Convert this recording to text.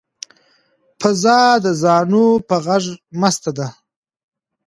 فضا د زاڼو په غږ مسته ده.